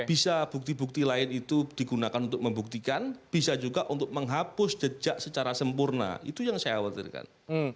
bisa bukti bukti lain itu digunakan untuk membuktikan bisa juga untuk menghapus jejak secara sempurna itu yang saya khawatirkan